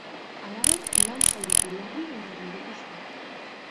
Halaber, lau zauritu larri eragin dituzte.